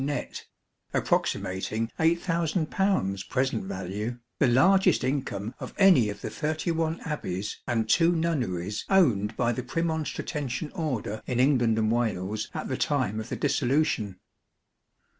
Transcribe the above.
net, (approximating 8,000 present value), the largest income of any of the thirty one Abbeys and two Nunneries owned by the Premonstratensian Order in England and Wales at the time of the Dissolution.